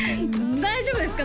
大丈夫ですか？